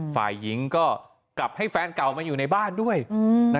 ฝ่ายหญิงก็กลับให้แฟนเก่ามาอยู่ในบ้านด้วย